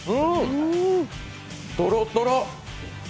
とろとろ！